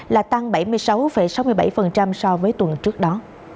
là tăng bảy mươi sáu sáu mươi bảy so với tuần trước đó